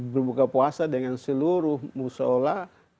berbuka puasa dengan seluruh musola